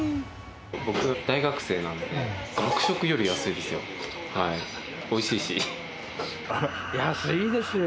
僕、大学生なんで、学食より安いですよ。